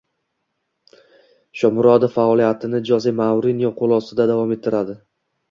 Shomurodov faoliyatini Joze Mourinyo qo‘l ostida davom ettiradi